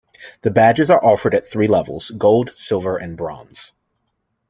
The badges are offered at three levels: gold, silver and bronze.